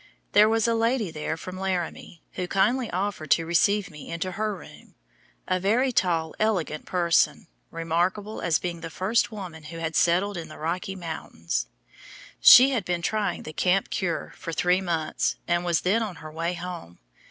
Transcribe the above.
There was a lady there from Laramie, who kindly offered to receive me into her room, a very tall, elegant person, remarkable as being the first woman who had settled in the Rocky Mountains. She had been trying the "camp cure" for three months, and was then on her way home.